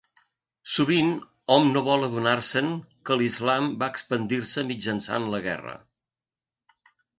Sovint hom no vol adonar-se'n que l'Islam va expandir-se mitjançant la guerra.